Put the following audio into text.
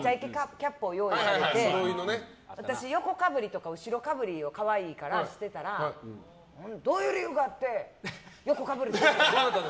キャップを用意されて私、横かぶりとか後ろかぶりを可愛いからしてたらどういう理由があって横かぶりすんねん！